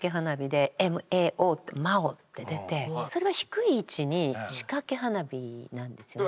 それは低い位置に仕掛け花火なんですよね。